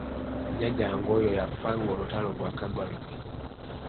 Jjajjange oyo yafa ng'olutalo lwakaggwa luti.